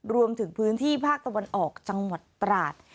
รวมถึงพื้นที่ภาคตะวันออกจังหวัดตราด